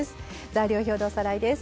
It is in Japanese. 材料表でおさらいです。